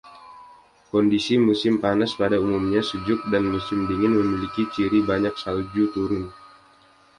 Kondisi musim panas pada umumnya sejuk dan musim dingin memiliki ciri banyak salju turun.